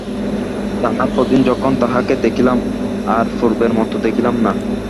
তাহার পরদিন যখন তাঁহাকে দেখিলাম আর পূর্বের মতো দেখিলাম না।